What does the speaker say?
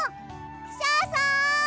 クシャさん！